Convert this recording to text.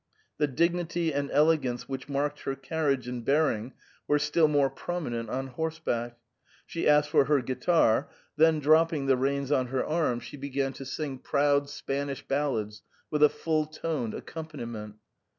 The dig nity and elegance which marked her carriage and bear ing were still more prominent on horseback. She asked for her guitar, then dropping the reins on her arm, she 46 THE PERM ATA. began to sing proud Spanish ballads with a full toned accompaniment.